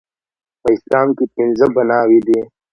په اسلام کې پنځه بناوې دي